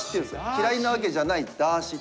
「嫌いなわけじゃない」、ダーシ。